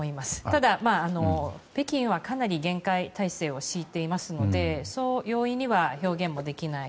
ただ、北京はかなりの厳戒態勢を敷いていますのでそう容易には表現もできない。